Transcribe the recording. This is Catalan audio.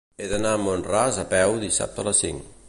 He d'anar a Mont-ras a peu dissabte a les cinc.